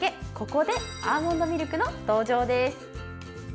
ここでアーモンドミルクの登場です。